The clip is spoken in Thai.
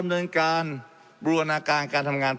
และมีผลกระทบไปทุกสาขาอาชีพชาติ